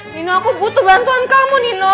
mino aku butuh bantuan kamu mino